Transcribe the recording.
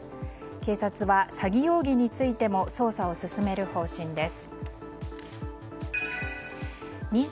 警察は詐欺容疑についても捜査を進める方針です。